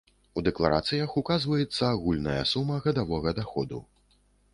У дэкларацыях указваецца агульная сума гадавога даходу.